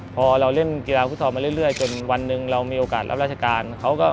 พอเราเล่นกีฬาฟุตซอลมาเรื่อยจนวันหนึ่งเรามีโอกาสรับราชการเขาก็